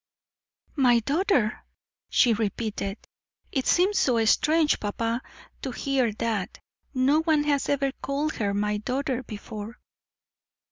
"My daughter!" she repeated. "It seems so strange, papa, to hear that; no one has ever called her 'my daughter' before."